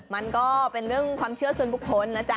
มันก็เป็นเรื่องความเชื่อส่วนบุคคลนะจ๊